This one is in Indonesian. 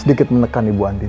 sedikit menekan ibu andin